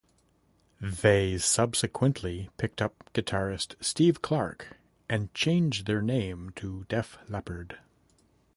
They subsequently picked up guitarist Steve Clark and changed their name to Def Leppard.